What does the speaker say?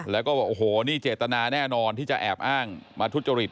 แล้วก็บอกโอ้โหนี่เจตนาแน่นอนที่จะแอบอ้างมาทุจริต